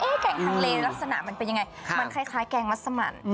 แกงทางเลลักษณะมันเป็นยังไงมันคล้ายแกงมัสมัน